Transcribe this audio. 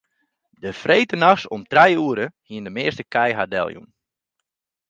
De freedtenachts om trije oere hiene de measte kij har deljûn.